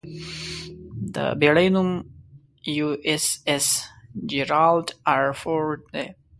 د بېړۍ نوم 'یواېساېس جېرالډ ار فورډ' دی.